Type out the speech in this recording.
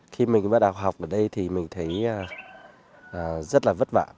khi mình bắt đầu học ở đây thì mình thấy rất là vất vả